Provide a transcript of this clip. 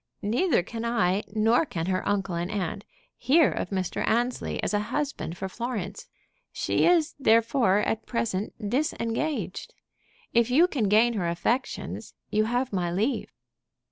Neither can I, nor can her uncle and aunt, hear of Mr. Annesley as a husband for Florence. She is therefore at present disengaged. If you can gain her affections, you have my leave."